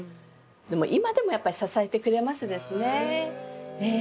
でも今でもやっぱり支えてくれますですね。